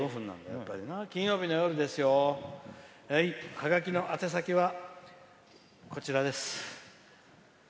ハガキの宛先はこちらです。